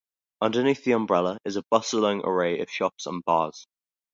Underneath the "Umbrella" is a bustling array of shops and bars.